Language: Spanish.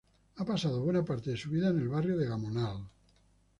Ha pasado buena parte de su vida en el barrio de Gamonal.